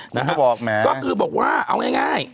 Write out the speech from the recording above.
คุณคุณก็บอกแม้ก็คือบอกว่าเอาง่าย